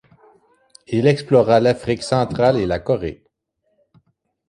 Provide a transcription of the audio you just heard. Il explora l'Afrique centrale et la Corée.